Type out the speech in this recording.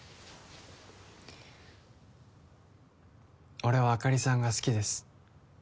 俺はあかりさんが好きです